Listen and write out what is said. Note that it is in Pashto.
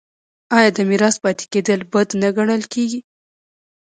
آیا د میرات پاتې کیدل بد نه ګڼل کیږي؟